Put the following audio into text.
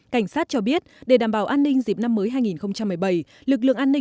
cảnh sát cho biết để đảm bảo an ninh dịp năm mới hai nghìn một mươi bảy